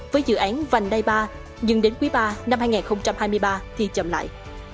với dự án vành đai ba dừng đến quý iii năm hai nghìn hai mươi ba thì chậm lại